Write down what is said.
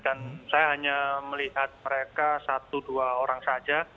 dan saya hanya melihat mereka satu dua orang saja